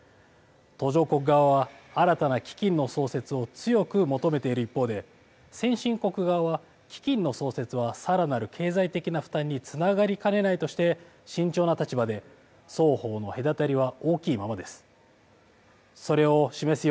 途上国側は、新たな基金の創設を強く求めている一方で、先進国側は、基金の創設はさらなる経済的な負担につながりかねないとして慎重な立場で、双方の隔たりは大きいままです。